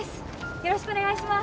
よろしくお願いします